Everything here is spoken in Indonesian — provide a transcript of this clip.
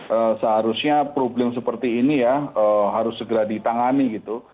ya seharusnya problem seperti ini ya harus segera ditangani gitu